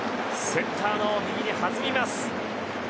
センターの右にはずみます。